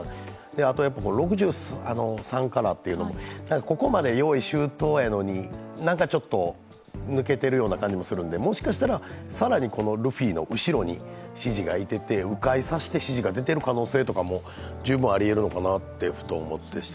あと６３からというのも、ここまで用意周到やのに何かちょっと抜けているような感じもするので、もしかしたら、更にルフィの後ろに指示がいててう回させて指示が出てる可能性も十分あるのかなと思ってしまって。